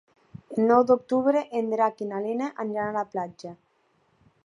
El nou d'octubre en Drac i na Lena aniran a la platja.